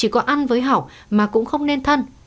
mới học mà cũng không nên thân